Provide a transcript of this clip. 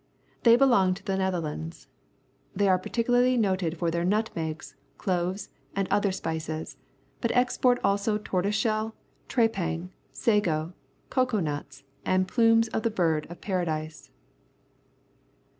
They belong to the Netherlands. They are particularly noted for their nutmegs, cloves, and other spices, but export also tortoise shell, trepang, sago, cocoa nuts, and plumes of the bird of paradise.